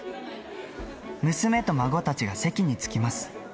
娘と孫たちが席に着きます。